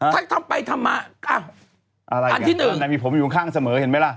ถ้าทำไปทำมาอ่ะอันที่หนึ่งอันไหนมีผมอยู่ข้างข้างเสมอเห็นไหมล่ะ